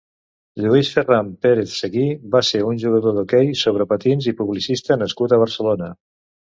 Lluís Ferran Pérez Seguí va ser un jugador d'hoquei sobre patins i publicista nascut a Barcelona.